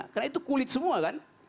karena itu kulit semua kan